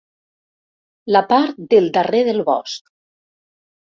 La part del darrer del bosc.